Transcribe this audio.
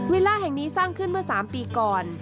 ล่าแห่งนี้สร้างขึ้นเมื่อ๓ปีก่อน